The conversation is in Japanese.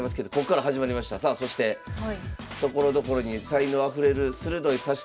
さあそしてところどころに才能あふれる鋭い指し手。